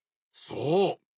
そう。